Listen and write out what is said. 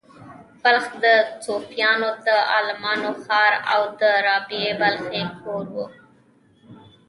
بلخ د صوفیانو او عالمانو ښار و او د رابعې بلخۍ کور و